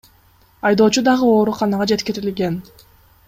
Айдоочу дагы ооруканага жеткирилген.